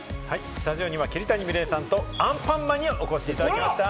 スタジオには桐谷美玲さんとアンパンマンにお越しいただきました。